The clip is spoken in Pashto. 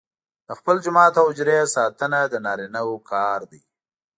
د خپل جومات او حجرې ساتنه د نارینه کار وو.